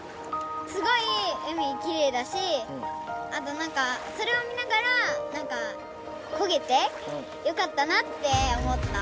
すごい海きれいだしあとなんかそれを見ながらこげてよかったなって思った。